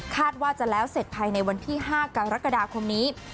ว่าจะแล้วเสร็จภายในวันที่๕กรกฎาคมนี้